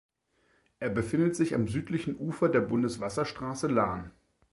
Er befindet sich am südlichen Ufer der Bundeswasserstraße Lahn.